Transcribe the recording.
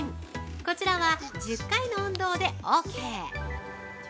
こちらは、１０回の運動でオーケー。